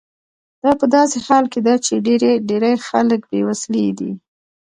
دا په داسې حال کې ده چې ډیری خلک بې وسیلې دي.